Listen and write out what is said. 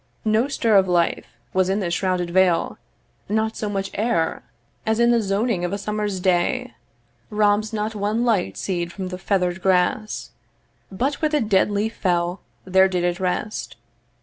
No stir of life Was in this shrouded vale, not so much air As in the zoning of a summer's day Robs not one light seed from the feather'd grass, But where the dead leaf fell there did it rest.